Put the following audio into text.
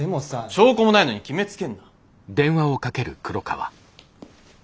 証拠もないのに決めつけんな。